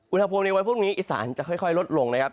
อุณหภูมิในวันพรุ่งนี้อีสานจะค่อยลดลงนะครับ